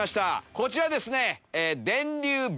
こちらですね。